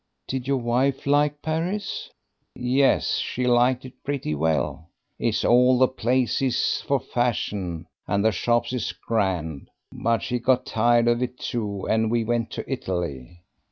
"Did your wife like Paris?" "Yes, she liked it pretty well it is all the place for fashion, and the shops is grand; but she got tired of it too, and we went to Italy."